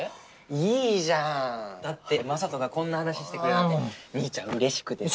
いいじゃんだって雅人がこんな話してくれるなんて兄ちゃんうれしくてさ。